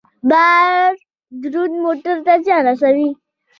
بار دروند موټر ته زیان رسوي.